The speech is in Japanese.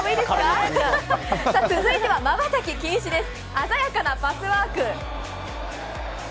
続いては瞬き禁止です！